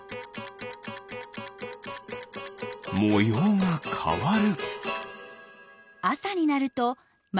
もようがかわる。